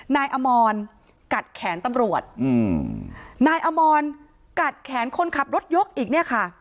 นายอมรกัดแขนตำรวจอืมนายอมรกัดแขนคนขับรถยกอีกเนี่ยค่ะ